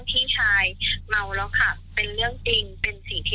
เราทำเกินกว่าเหตุ